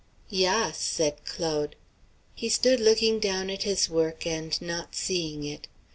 "Yass," said Claude. He stood looking down at his work and not seeing it.